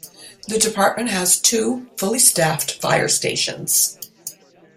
The department has two fully staffed fire stations.